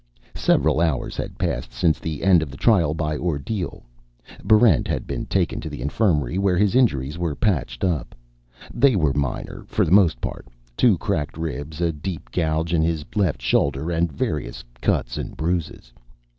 Several hours had passed since the end of the Trial by Ordeal. Barrent had been taken to the infirmary, where his injuries were patched up. They were minor, for the most part; two cracked ribs, a deep gouge in his left shoulder, and various cuts and bruises.